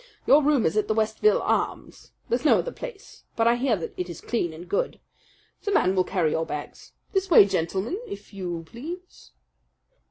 Your room is at the Westville Arms. There's no other place; but I hear that it is clean and good. The man will carry your bags. This way, gentlemen, if you please."